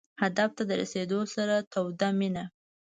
هدف ته د رسېدو سره توده مینه.